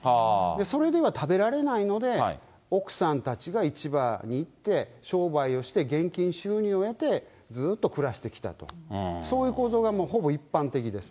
それでは食べられないので、奥さんたちが市場に行って、商売をして現金収入を得て、ずーっと暮らしてきたと、そういう構造がほぼ一般的です。